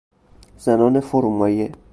زنان فرومایه